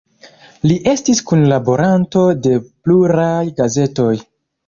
Li estis kunlaboranto de pluraj gazetoj.